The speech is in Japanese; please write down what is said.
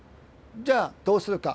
じゃあどうするか。